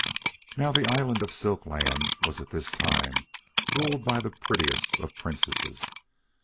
Now the island of Silk Land was at this time ruled by the prettiest of princesses.